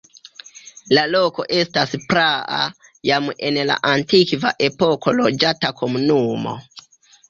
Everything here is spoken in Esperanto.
La loko estas praa, jam en la antikva epoko loĝata komunumo.